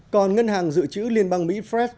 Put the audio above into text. còn ngân hàng dự trữ liên bang mỹ fred